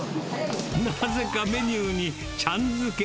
なぜかメニューにちゃん付け。